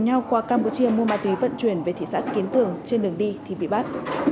nhau qua campuchia mua ma túy vận chuyển về thị xã kiến tường trên đường đi thì bị bắt